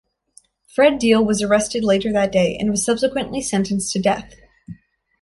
Fred Deal was arrested later that day and was subsequently sentenced to death.